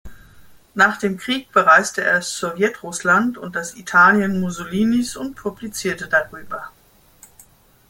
Nach dem Krieg bereiste er Sowjetrussland und das Italien Mussolinis und publizierte darüber.